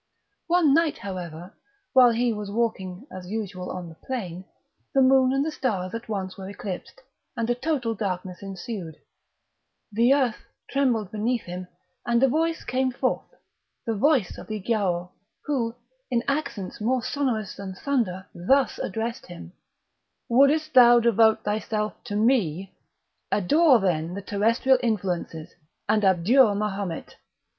One night, however, while he was walking as usual on the plain, the moon and the stars at once were eclipsed, and a total darkness ensued; the earth trembled beneath him, and a voice came forth, the voice of the Giaour, who, in accents more sonorous than thunder, thus addressed him: "Wouldest thou devote thyself to me? Adore then the terrestrial influences, and abjure Mahomet.